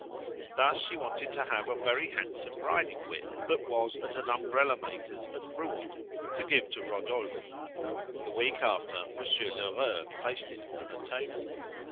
Thus she wanted to have a very handsome ridding whip that was at an umbrella maker's at Rouen to give to Rodolphe. The week after Monsieur Lheureux placed it on her table.